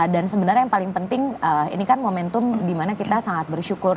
dan sebenarnya yang paling penting ini kan momentum dimana kita sangat bersyukur